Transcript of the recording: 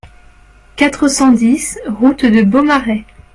quatre cent dix route de Beaumarais